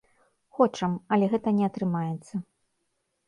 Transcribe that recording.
Хочам, але гэта не атрымаецца.